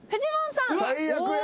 最悪や。